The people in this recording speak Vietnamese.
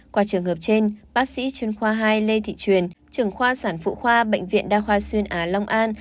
qua trường hợp trên bác sĩ chuyên khoa hai lê thị truyền trưởng khoa sản phụ khoa bệnh viện đa khoa xuyên á long an